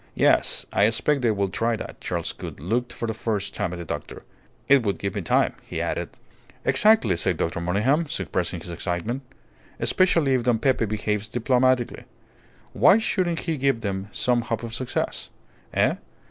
"Yes, I expect they will try that." Charles Gould looked for the first time at the doctor. "It would give me time," he added. "Exactly," said Dr. Monygham, suppressing his excitement. "Especially if Don Pepe behaves diplomatically. Why shouldn't he give them some hope of success? Eh?